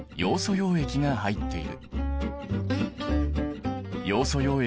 溶液が入っている。